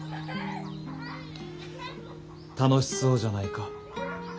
楽しそうじゃないか。だろう？